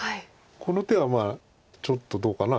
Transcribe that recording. この手はちょっとどうかな。